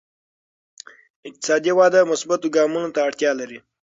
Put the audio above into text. اقتصادي وده مثبتو ګامونو ته اړتیا لري.